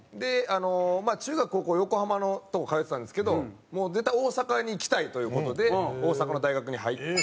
まあ中学高校横浜のとこ通ってたんですけど絶対大阪に行きたいという事で大阪の大学に入って。